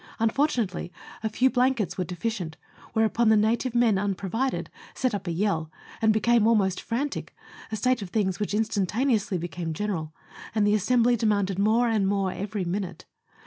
Unfortunately, a few blankets were deficient, whereupon the native men unprovided set up a yell, and became almost frantic, a state of things which instantaneously became general, and the assembly demanded more and more every minute.